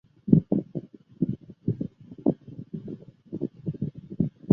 南京大学固体微结构物理实验室是南京大学在物理学领域的一个重要实验室。